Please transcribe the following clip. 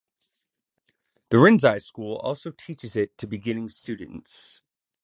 The Rinzai school also teaches it to beginning students.